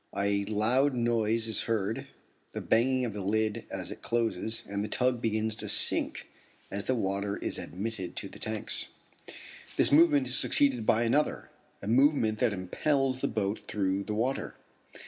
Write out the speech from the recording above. A loud noise is heard, the banging of the lid as it closes, and the tug begins to sink as the water is admitted to the tanks. This movement is succeeded by another a movement that impels the boat through the water.